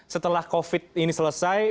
setelah covid ini selesai